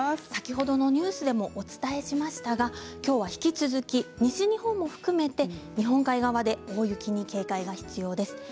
先ほどのニュースでもお伝えしましたがきょうは引き続き西日本も含めて日本海側で大雪に警戒が必要です。